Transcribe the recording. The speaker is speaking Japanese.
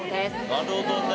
なるほどね。